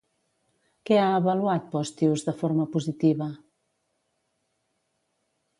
Què ha avaluat Postius de forma positiva?